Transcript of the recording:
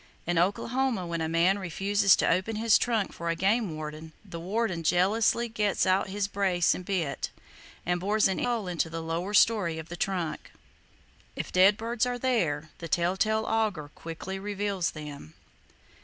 In Oklahoma when a man refuses to open his trunk for a game warden, the warden joyously gets out his brace and bitt, and bores an inch hole into the lower story of the trunk. If dead birds are there, the tell tale auger quickly reveals them.